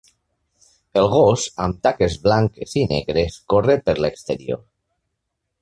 El gos amb taques blanques i negres corre per l'exterior.